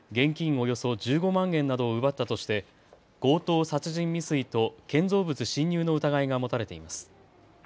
およそ１５万円などを奪ったとして強盗殺人未遂と建造物侵入の疑いが持たれています。